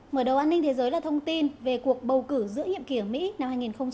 mở đầu an ninh thế giới là thông tin về cuộc bầu cử giữa nhiệm kỳ ở mỹ năm hai nghìn hai mươi bốn